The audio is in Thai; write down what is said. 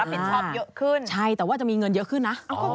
รับผิดชอบเยอะขึ้น